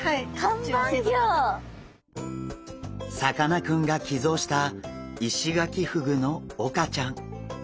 さかなクンが寄贈したイシガキフグのオカちゃん。